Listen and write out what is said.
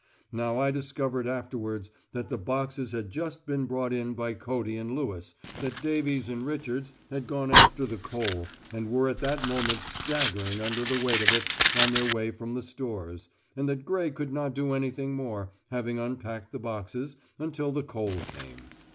Now I discovered afterwards that the boxes had just been brought in by Cody and Lewis, that Davies and Richards had gone after the coal, and were at that moment staggering under the weight of it on their way from the stores, and that Gray could not do anything more, having unpacked the boxes, until the coal came.